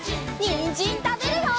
にんじんたべるよ！